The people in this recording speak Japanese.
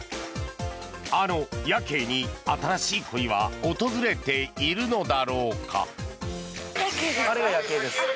あのヤケイに、新しい恋は訪れているのだろうか。